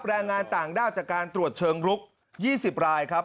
แรงงานต่างด้าวจากการตรวจเชิงลุก๒๐รายครับ